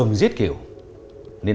một cái bụi vật